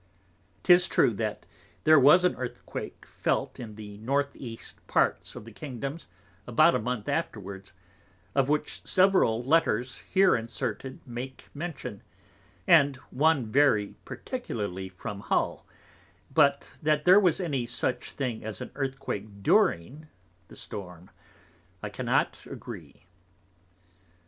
'Tis true, that there was an Earthquake felt in the North East parts of the Kingdoms, about a Month afterwards, of which several Letters here inserted make mention, and one very particularly from Hull; but that there was any such thing as an Earthquake during the Storm, I cannot agree.